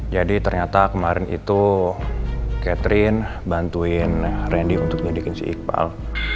jadi ternyata kemarin itu catherine bantuin randy untuk jadikan si iqbal